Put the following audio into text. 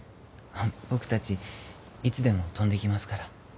僕たちいつでも飛んでいきますから。